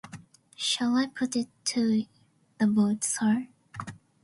Shall I put it to the vote, sir?